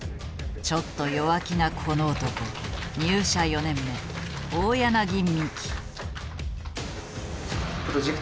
ちょっと弱気なこの男入社４年目大柳海樹。